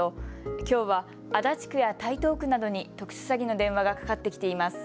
きょうは足立区や台東区などに特殊詐欺の電話がかかってきています。